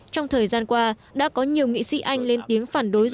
trong thời gian qua đã có nhiều nghị sĩ anh lên tiếng phản đối dự trị